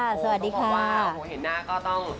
โอ้ต้องบอกว่าเห็นหน้าก็ต้อง